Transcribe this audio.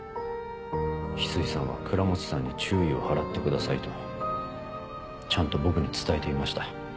翡翠さんは倉持さんに注意を払ってくださいとちゃんと僕に伝えていました。